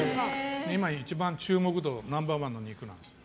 今、一番注目度ナンバー１の肉なんですよ。